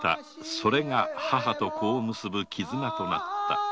それが母と子を結ぶ絆となった。